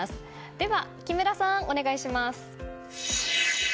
では木村さん、お願いします。